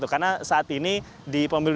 karena saat ini di pemilu dua ribu sembilan belas